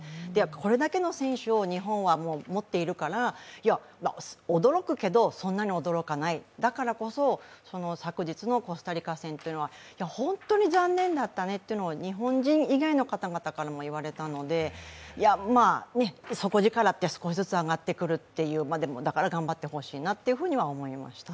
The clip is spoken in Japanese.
これだけの選手を日本は持っているから驚くけどそんなに驚かない、だからこそ昨日のコスタリカ戦というのは本当に残念だったねっていうのを、日本人の方以外にも言われたので底力って少しずつ上がってくるだから頑張ってほしいなとは思いました。